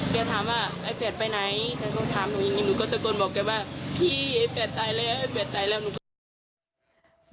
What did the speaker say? แกถามว่าไอ้แฟดไปไหนแกต้องถามหนูหนูก็ตะโกนบอกแกว่าพี่ไอ้แฟดตายแล้วไอ้แฟดตายแล้ว